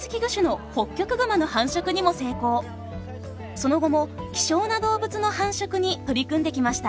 その後も希少な動物の繁殖に取り組んできました。